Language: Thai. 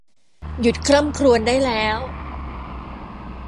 หยุดคร่ำครวญได้แล้ว !